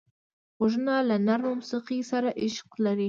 غوږونه له نرمه موسیقۍ سره عشق لري